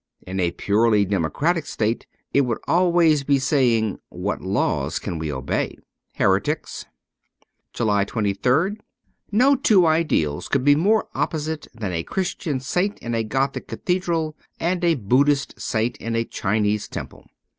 ' In a purely democratic state it would be always saying, * What laws can we obey ?' ^Heretics' ia6 JULY 23rd NO two ideals could be more opposite than a Christian saint in a Gothic cathedral and a Buddhist saint in a Chinese temple.